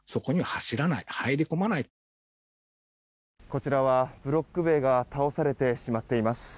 こちらはブロック塀が倒されてしまっています。